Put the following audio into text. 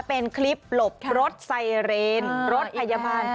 เป็นคลิปหลบรถไซเรนรถพยาบาล